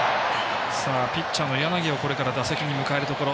ピッチャーの柳をこれから打席に迎えるところ。